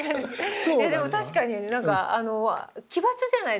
いやでも確かになんかあの奇抜じゃないですか。